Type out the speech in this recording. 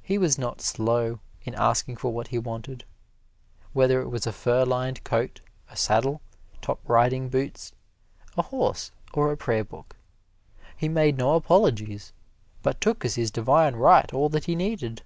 He was not slow in asking for what he wanted, whether it was a fur lined cloak, a saddle, top riding boots, a horse, or a prayer book. He made no apologies but took as his divine right all that he needed.